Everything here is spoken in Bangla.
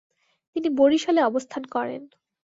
তিনি বরিশালে অবস্থান করেন।